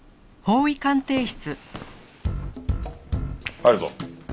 入るぞ。